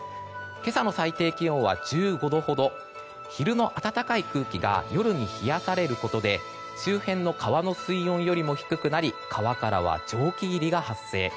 今朝の最低気温は１５度ほど昼の暖かい空気が夜に冷やされることで周辺の川の水温よりも低くなり川からは蒸気霧が発生。